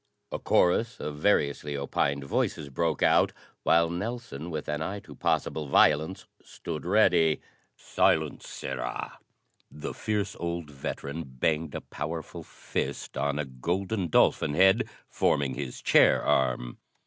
A chorus of variously opined voices broke out, while Nelson with an eye to possible violence stood ready. "Silence! Sirrah!" The fierce old veteran banged a powerful fist on a golden dolphin head forming his chair arm.